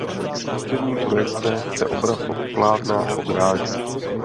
U přední projekce se obraz od plátna odráží.